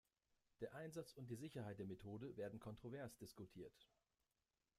Der Einsatz und die Sicherheit der Methode werden kontrovers diskutiert.